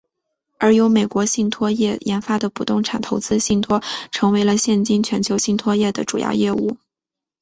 而由美国信托业研发的不动产投资信托成为了现今全球信托业的主要业务。